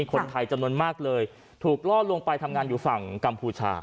คนไทยจำนวนมากเลยถูกล่อลวงไปทำงานอยู่ฝั่งกัมพูชา